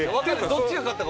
どっちが勝ったか。